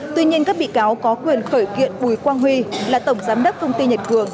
tuy nhiên các bị cáo có quyền khởi kiện bùi quang huy là tổng giám đốc công ty nhật cường